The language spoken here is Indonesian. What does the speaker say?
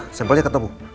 halo gimana sampelnya ketemu